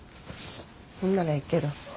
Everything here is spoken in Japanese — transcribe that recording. そんならええけど。